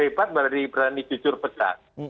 hebat dari berani jujur pecat